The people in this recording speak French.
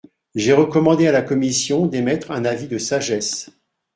J’ai recommandé à la commission d’émettre un avis de sagesse.